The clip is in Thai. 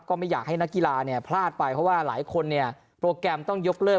ก็ไม่อยากให้นักกีฬาเนี่ยพลาดไปเพราะว่าหลายคนเนี่ยโปรแกรมต้องยกเลิก